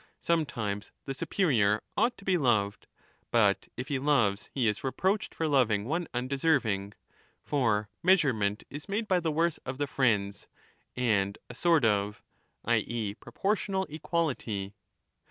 Sometimes the superior ought to be loved, but if he loves, he is reproached for loving one undeserving ; for measurement is made by the worth of the friends and a sort of [i. e. proportional] equality.